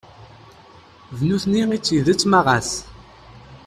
D nutni i d tidett ma ɣas.